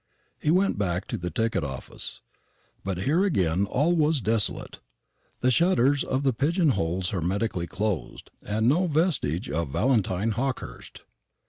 He went back to the ticket office; but here again all was desolate, the shutters of the pigeon holes hermetically closed, and no vestige of Valentine Hawkehurst.